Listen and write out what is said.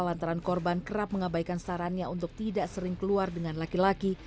lantaran korban kerap mengabaikan sarannya untuk tidak sering keluar dengan laki laki